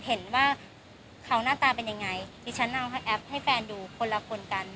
เห็นว่าเขาหน้าตาเป็นยังไงดิฉันนั่งแอปให้แฟนดูคนละคนกัน